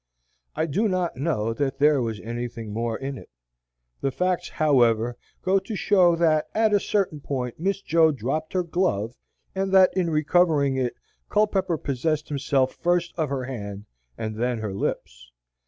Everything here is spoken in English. I do not know that there was anything more in it. The facts, however, go to show that at a certain point Miss Jo dropped her glove, and that in recovering it Culpepper possessed himself first of her hand and then her lips.